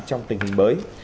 trong tình hình mới